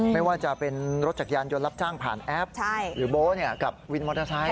ไม่ว่าจะเป็นรถจักรยานยนต์รับจ้างผ่านแอปหรือโบ๊กับวินมอเตอร์ไซค